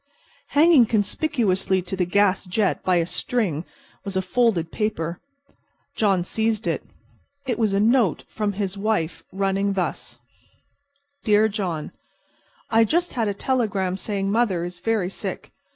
Hanging conspicuously to the gas jet by a string was a folded paper. John seized it. It was a note from his wife running thus: "Dear John: I just had a telegram saying mother is very sick.